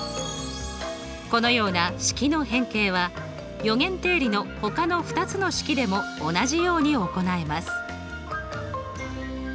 このような式の変形は余弦定理のほかの２つの式でも同じように行えます。